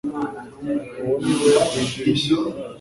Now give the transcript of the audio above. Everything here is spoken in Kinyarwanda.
uwo ni we ku idirishya